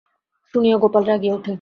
শুনিয়া গোপাল রাগিয়া ওঠে।